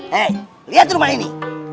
hei lihat rumah ini